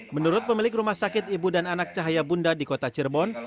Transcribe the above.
menurut pemilik rumah sakit ibu dan anak cahaya bunda di kota cirebon